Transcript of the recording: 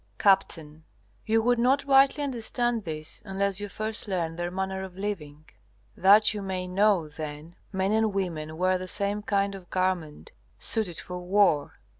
Capt. You would not rightly understand this, unless you first learned their manner of living. That you may know, then, men and women wear the same kind of garment, suited for war.